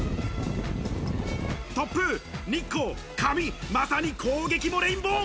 突風、日光、髪、まさに攻撃のレインボー。